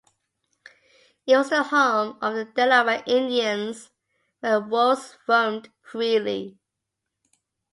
It was the home of the Delaware Indians, where wolves roamed freely.